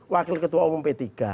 wakil ketua umum p tiga